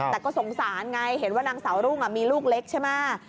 แต่ก็สงสารไงเห็นว่านางสาวรุ่งมีลูกเล็กใช่ไหม